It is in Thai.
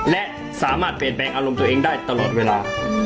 และสามารถเปลี่ยนแปลงอารมณ์ตัวเองได้ตลอดเวลา